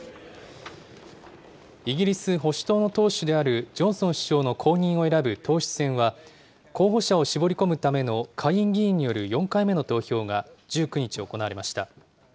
イギリス保守党の党首であるジョンソン首相の後任を選ぶ党首選は、候補者を絞り込むための下院議員による４回目の投票が１９日行われました。